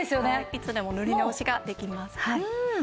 いつでも塗り直しができます。